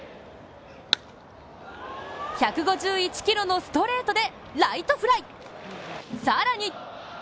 １５２キロのストレートでライトフライ。